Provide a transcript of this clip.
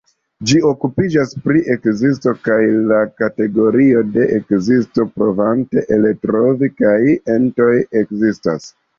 Ĝi okupiĝas pri ekzisto kaj la kategorioj de ekzisto, provante eltrovi kiaj entoj ekzistas.